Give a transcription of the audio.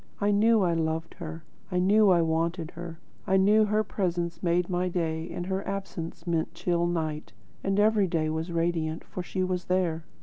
I knew I loved her; I knew I wanted her; I knew her presence made my day and her absence meant chill night; and every day was radiant, for she was there."